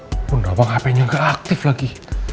ibu nawang hp nya gak aktif lagi